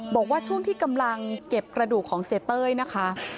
บอกว่าช่วงที่กำลังเก็บกระดูกของเสียเต้ยนะคะ